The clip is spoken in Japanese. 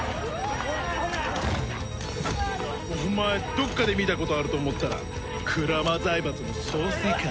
どっかで見たことあると思ったら鞍馬財閥の総帥か。